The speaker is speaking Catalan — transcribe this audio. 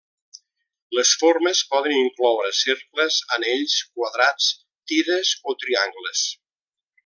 Les formes poden incloure cercles, anells, quadrats, tires o triangles.